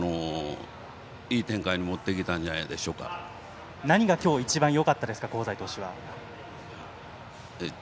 いい展開に持っていけたんじゃ何が今日一番よかったですか香西投手は。